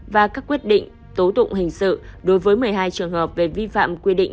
và các quyết định tố tụng hình sự đối với một mươi hai trường hợp về vi phạm quy định